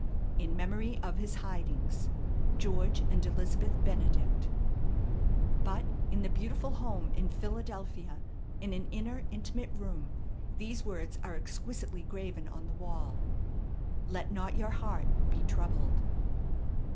In memory of His hidings, "George and Elizabeth Benedict." But in the beautiful home in Philadelphia, in an inner intimate room these words are exquisitely graven on the wall, "Let not your heart be troubled."